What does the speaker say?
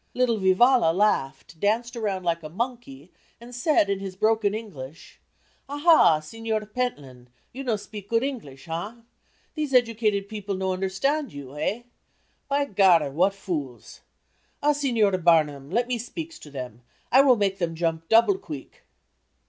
Little Vivalla laughed, danced around like a monkey, and said, in his broken English: "Ah, ha! Signor Pentland; you no speak good Eenglish, hah! These educated peoples no understand you, eh? By gar what d d fools. Ah, Signor Barnum, let me speaks to them; I will make them jump double queek."